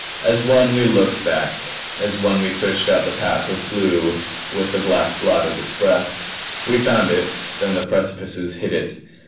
As one we looked back; as one we searched out the patch of blue with the black blot at its breast. We found it; then the precipices hid it.